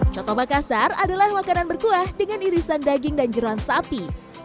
coto makassar adalah makanan berkuah dengan irisan daging dan jeruan sapi